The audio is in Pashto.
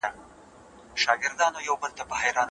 په پښتو ژبه پوهېدل موږ له ولس سره نښلوي.